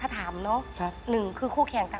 ถ้าถามเนอะหนึ่งคือคู่แข่งกัน